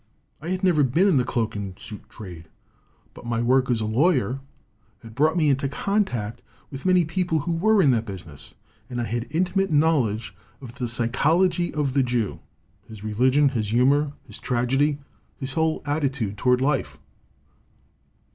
"I had never been in the cloak and suit trade. But my work as a lawyer had brought me into 50 ROMANTICISM AND HUMOR contact with many people who were in that busi ness, and I had intimate knowledge of the psychol ogy of the Jew, his religion, his humor, his tragedy, his whole attitude toward life.